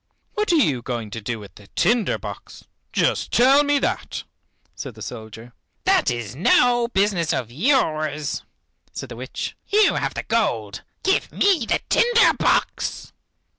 "What are you going to do with the tinder box, just tell me that?" said the soldier. "That is no business of yours," said the witch. "You have the gold, give me the tinder box!"